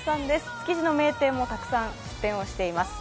築地の名店もたくさん出店をしています。